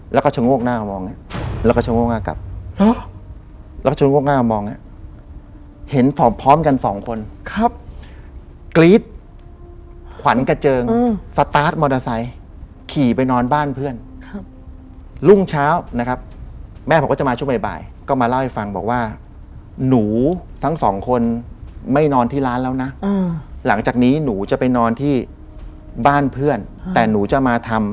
แล้วเขาก็เริ่มรู้สึกแล้วว่า